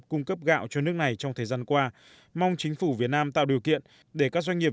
cung cấp gạo cho nước này trong thời gian qua mong chính phủ việt nam tạo điều kiện để các doanh nghiệp